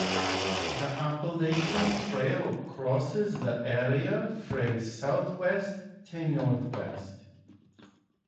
The Appalachian Trail crosses the area from southwest to northeast.